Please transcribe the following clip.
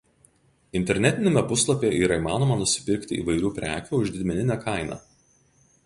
Internetiniame puslapyje yra įmanoma nusipirkti įvairių prekių už didmeninę kainą.